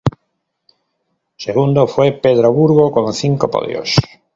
Segundo fue Pedro Burgo con cinco podios.